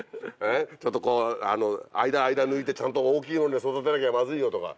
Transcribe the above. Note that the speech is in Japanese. ちょっと間間抜いてちゃんと大きいのに育てなきゃまずいよとか。